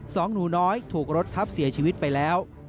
สองหนูน้อยถูกรถทับเสียชีวิตไปแล้ว